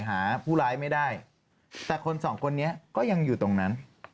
หาผู้ร้ายไม่ได้แต่คนสองคนนี้ก็ยังอยู่ตรงนั้น